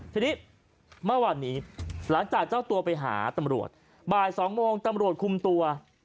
ทีนี้เมื่อวานนี้หลังจากเจ้าตัวไปหาตำรวจบ่าย๒โมงตำรวจคุมตัว